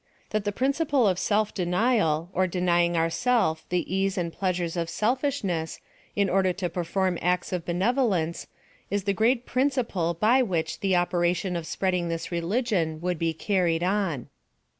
That the principle of self denial, or denying ourself the ease and pleasures of selfish ness, in order to perform acts of benevolence, is the great principle by which the operation of spreading til is religion would be carried on.